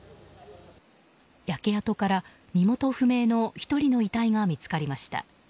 焼け跡から身元不明の１人の遺体が見つかりました。